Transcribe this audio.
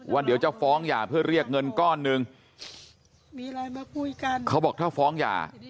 ว่าเดี๋ยวจะฟ้องหย่าเพื่อเรียกเงินก้อนนึงเขาบอกถ้าฟ้องหย่า